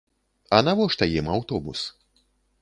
А навошта ім аўтобус?